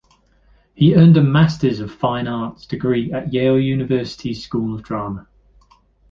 He earned a Masters of Fine Arts degree at Yale University's School of Drama.